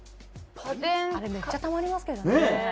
あれめっちゃたまりますけどね。